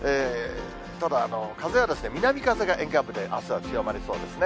ただ、風は南風が沿岸部であすは強まりそうですね。